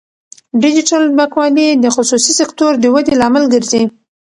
ډیجیټل بانکوالي د خصوصي سکتور د ودې لامل ګرځي.